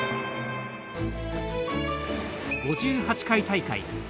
５８回大会。